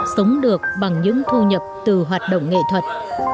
sống được bằng những thu nhập từ hoạt động nghệ thuật